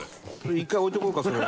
１回置いておこうかそれは。